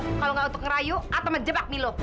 kalau gak untuk ngerayu atau menjebak milo